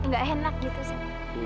gak enak gitu sat